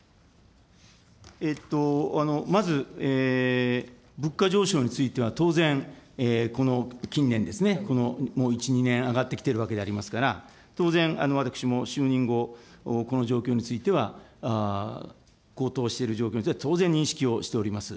まず、物価上昇については当然、この近年ですね、このもう１、２年上がってきているわけでありますから、当然、私も就任後、この状況については、高騰している状況については、当然認識をしております。